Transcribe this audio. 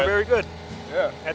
di seluruh dunia